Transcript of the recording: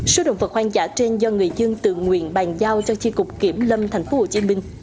số động vật hoang dã trên do người dân tự nguyện bàn giao cho chiếc cục kiểm lâm thành phố hồ chí minh